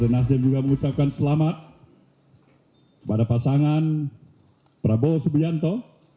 nasdem juga mengucapkan selamat pada pasangan prabowo subianto